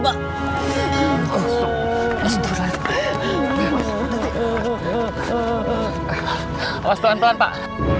awas pelan pelan pak